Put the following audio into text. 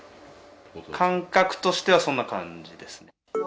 感覚としてはそんな感じですね。